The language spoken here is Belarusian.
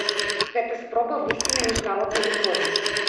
Гэта спроба выйсці на міжнародны ўзровень?